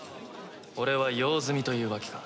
俺は用済みというわけか。